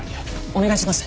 お願いします。